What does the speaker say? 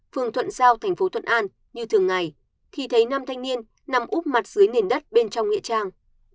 phường thuận giao tp thuận an như thường ngày thì thấy năm thanh niên nằm úp mặt dưới nền đất bên trong nghĩa trang